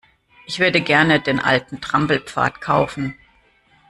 Ich würde gerne den alten Trampelpfad kaufen.